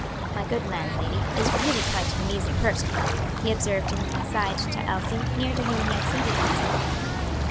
"My good landlady is really quite an amusing person," he observed in an aside to Elsie, near to whom he had seated himself.